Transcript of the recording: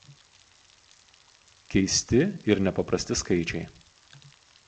keisti ir nepaprasti skaičiai